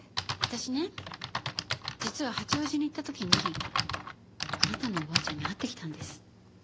私ね実は八王子に行った時にあなたのおばあちゃんに会ってきたんです。